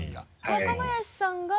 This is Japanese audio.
若林さんが。